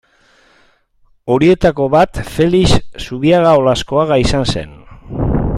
Horietako bat Felix Zubia Olaskoaga izan zen.